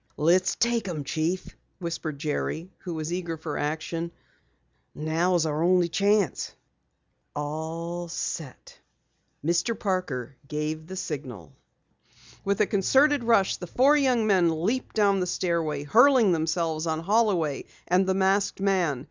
"Let's take 'em, Chief!" whispered Jerry, who was eager for action. "Now is our only chance." "All set!" Mr. Parker gave the signal. With a concerted rush, the four young men leaped down the stairway, hurling themselves on Holloway and the masked man.